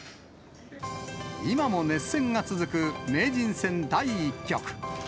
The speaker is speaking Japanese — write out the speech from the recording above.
今も熱戦が続く名人戦第１局。